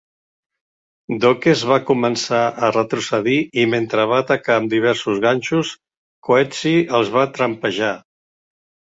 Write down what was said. Dokes va començar a retrocedir i mentre va atacar amb diversos ganxos, Coetzee els va trampejar.